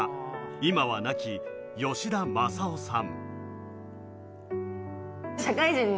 今は亡き、吉田昌郎さん。